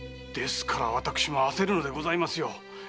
ですから私も焦るのでございますよ。